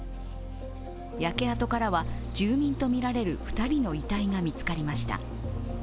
焼け跡からは住民と見られる２人の遺体が見つかりました。